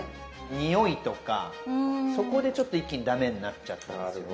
においとかそこでちょっと一気に駄目になっちゃったんですよね。